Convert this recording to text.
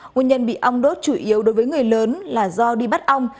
nguyên nhân bị ong đốt chủ yếu đối với người lớn là do đi bắt ong